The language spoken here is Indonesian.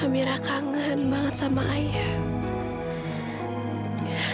kamera kangen banget sama ayah